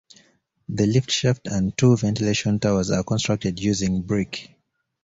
The lift shaft and two ventilation towers are constructed using brick.